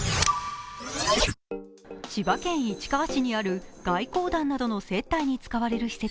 千葉県市川市にある外交団などの接待に使われる施設。